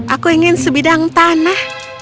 aku ingin sebidang tanah